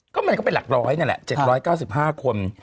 ก็มันก็เป็นหลักร้อยนั่นแหละ๗๙๕คน